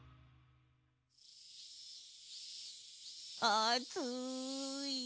あつい。